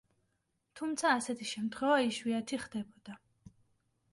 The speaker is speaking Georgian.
თუმცა, ასეთი შემთხვევა იშვიათი ხდებოდა.